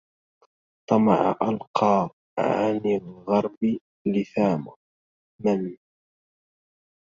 طمع ألقى عن الغرب اللثاما